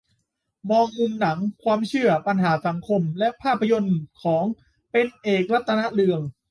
มองมุมหนัง ความเชื่อ ปัญหาสังคม และภาพยนตร์ของ "เป็นเอก รัตนเรือง"